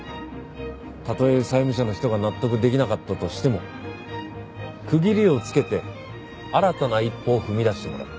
たとえ債務者の人が納得できなかったとしても区切りをつけて新たな一歩を踏み出してもらう。